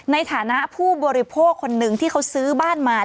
ในฐานะผู้บริโภคคนหนึ่งที่เขาซื้อบ้านมา